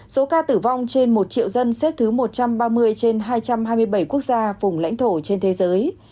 số ca tử vong trên một triệu dân xếp thứ một trăm ba mươi trên hai trăm hai mươi bảy quốc gia vùng lãnh thổ trên thế giới